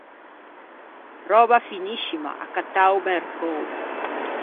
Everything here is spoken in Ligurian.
Röba finiscima accattâ a-o mercou.